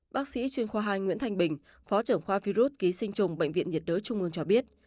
bác sĩ chuyên khoa hai nguyễn thanh bình phó trưởng khoa virus ký sinh trùng bệnh viện nhiệt đới trung ương cho biết